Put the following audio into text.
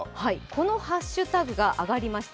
このハッシュタグが上がりました。